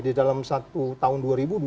di dalam satu tahun dua ribu dua puluh